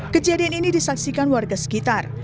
kejadian ini disaksikan warga sekitar